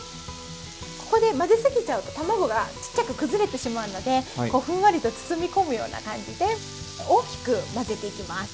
ここで混ぜ過ぎちゃうと卵がちっちゃく崩れてしまうのでこうふんわりと包み込むような感じで大きく混ぜていきます。